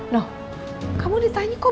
noh kamu ditanya kok